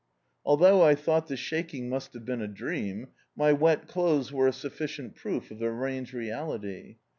Although I thought the shaking must have been a dream, my wet clothes were a sufBcient proof of the rain's reality.